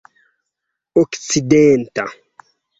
okcidenta